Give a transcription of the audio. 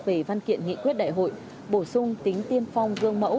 về văn kiện nghị quyết đại hội bổ sung tính tiên phong gương mẫu